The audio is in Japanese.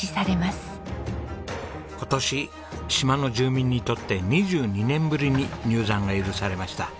今年島の住民にとって２２年ぶりに入山が許されました。